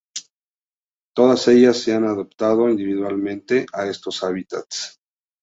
Todas ellas se han adaptado individualmente a estos hábitats.